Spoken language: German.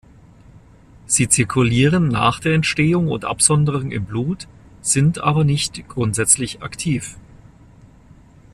Sie zirkulieren nach der Entstehung und Absonderung im Blut, sind aber nicht grundsätzlich aktiv.